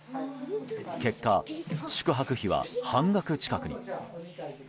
結果、宿泊費は半額近くに。